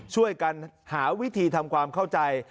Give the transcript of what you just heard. ช่วยกันหาวิธีทำความเข้าใจ